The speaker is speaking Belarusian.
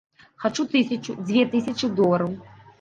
Хачу тысячу, дзве тысячы долараў.